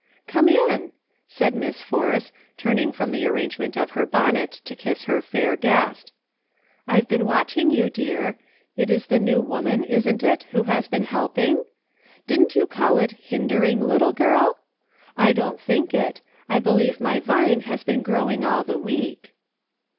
'* Come in," said Miss Force, turning from the arrangement of her bonnet to kiss her fair guest. " I've been watching you, dear ; it is the new woman, isn't it, who has been helping.'' Did you call it * hindering,' little girl } I don't think it ; I believe my Vine has been growing all the week."